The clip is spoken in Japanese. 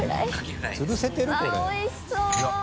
あっおいしそう！